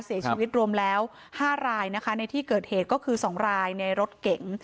เสียชีวิตรวมแล้ว๕รายนะคะในที่เกิดเหตุก็คือ๒รายในรถเก๋ง